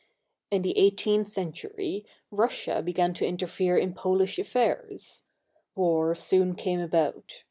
In the eighteenth century Russia began to interfere in Pol ish affairs. War soon came about.